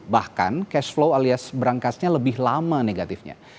bahkan cashflow alias berangkasnya lebih lama negatifnya